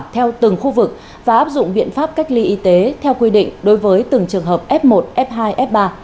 theo từng khu vực và áp dụng biện pháp cách ly y tế theo quy định đối với từng trường hợp f một f hai f ba